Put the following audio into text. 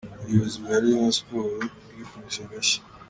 Ubuyobozi bwa Rayon sports bwikubise agashyi.